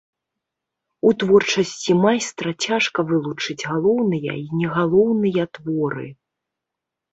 У творчасці майстра цяжка вылучыць галоўныя і не галоўныя творы.